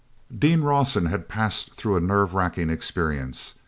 ean Rawson had passed through a nerve racking experience.